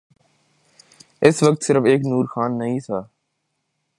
اس وقت صرف ایک نور خان نہیں تھا۔